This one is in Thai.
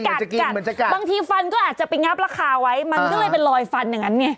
บางทีฟันก็อาจจะไปงับราคาไว้มันก็เลยเป็นลอยฟันอย่างนั้นไง